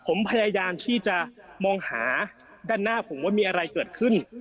ผมพยายามที่จะมองหาด้านหน้าผมว่ามีอะไรเกิดขึ้น